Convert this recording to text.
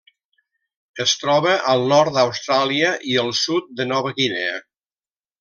Es troba al nord d'Austràlia i el sud de Nova Guinea.